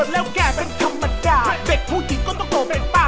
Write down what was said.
แล้วแก่เป็นธรรมดาเด็กผู้หญิงก็ต้องโตเป็นป่ะ